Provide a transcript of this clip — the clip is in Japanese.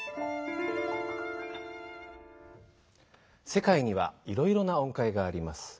せかいにはいろいろな音階があります。